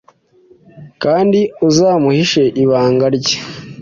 kandi uzamuhishe ibanga rye.